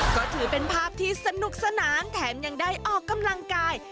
ก็ถือเป็นภาพที่สนุกสนานแถมยังได้ออกกำลังกาย